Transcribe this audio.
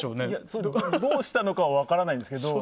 どうしたのかは分からないんですけど。